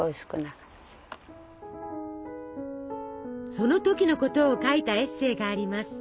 その時のことを書いたエッセイがあります。